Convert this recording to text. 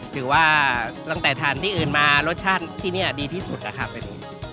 ถือว่าตั้งแต่ทานที่อื่นมารสชาติที่นี่ดีที่สุดนะครับแบบนี้